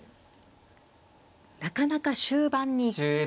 なかなか終盤に。